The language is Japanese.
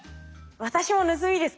私も盗みですか？